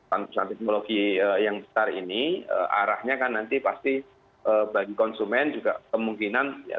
tanpa pesan teknologi yang besar ini arahnya kan nanti pasti bagi konsumen juga kemungkinan ya